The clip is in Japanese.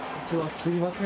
すいません。